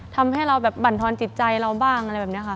ทำให้เราแบบบรรทอนจิตใจเราบ้างอะไรแบบนี้ค่ะ